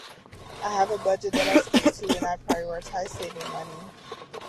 I have a budget that I stick to and I prioritize saving money.